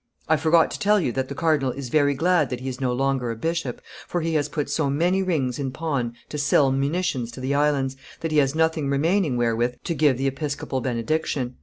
"I forgot to tell you that the cardinal is very glad that he is no longer a bishop, for he has put so many rings in pawn to send munitions to the islands, that he has nothing remaining wherewith to give the episcopal benediction.